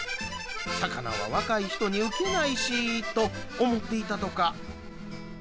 魚は若い人にうけないしと思っていたとか。